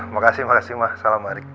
makasih makasih mah salam arik